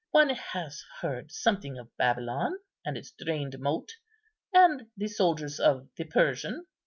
One has heard something of Babylon, and its drained moat, and the soldiers of the Persian."